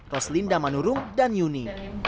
roslinda manurung dan yuni